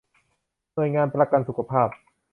หน่วยงานประกันสุขภาพ